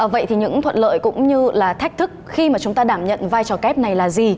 vậy thì những thuận lợi cũng như là thách thức khi mà chúng ta đảm nhận vai trò kép này là gì